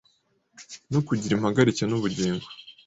no kugira impagarike n’ubugingo